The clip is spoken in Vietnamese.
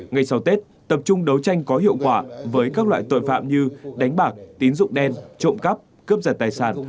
ngày sau tết tập trung đấu tranh có hiệu quả với các loại tội phạm như đánh bạc tín dụng đen trộm cắp cướp giật tài sản